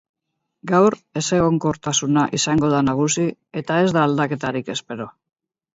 Gaur ezegonkortasuna izango da nagusi eta ez da aldaketarik espero.